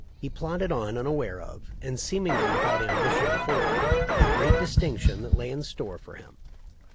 He plodded on unaware of, and seemingly without ambi tion for, the great distinction that lay in store for him.